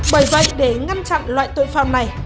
bởi vậy để ngăn chặn loại tội phạm này